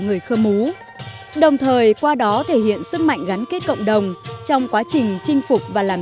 người khơ mú đồng thời qua đó thể hiện sức mạnh gắn kết cộng đồng trong quá trình chinh phục và làm